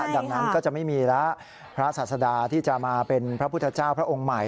ดังนั้นก็จะไม่มีแล้วพระศาสดาที่จะมาเป็นพระพุทธเจ้าพระองค์ใหม่